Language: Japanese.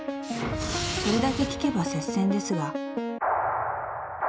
それだけ聞けば接戦ですが］